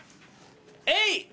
えい！